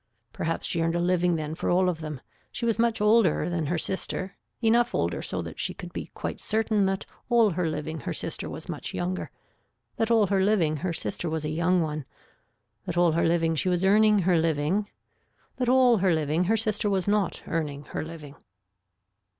Perhaps she earned a living then for all of them. She was much older than her sister, enough older so that she could be quite certain that all her living her sister was much younger, that all her living her sister was a young one, that all her living she was earning her living, that all her living her sister was not earning her living.